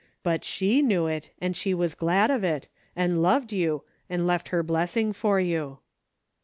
But she knew it, and she was glad of it, and loved you, and left her blessing for you."